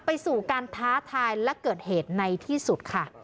ไปสู่การท้าทายและเกิดเหตุในที่สุดค่ะ